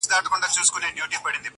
o اول به کښېنوو د علم بې شماره وني,